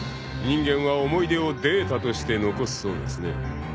［人間は思い出をデータとして残すそうですね］